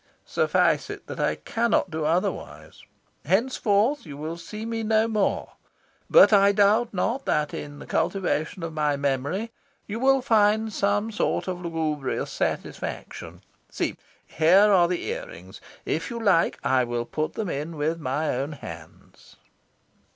"Suffice it that I cannot do otherwise. Henceforth you will see me no more. But I doubt not that in the cultivation of my memory you will find some sort of lugubrious satisfaction. See! here are the ear rings. If you like, I will put them in with my own hands."